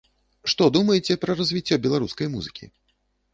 Што думаеце пра развіццё беларускай музыкі?